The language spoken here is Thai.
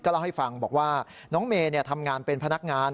เล่าให้ฟังบอกว่าน้องเมย์ทำงานเป็นพนักงาน